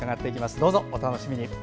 どうぞお楽しみに。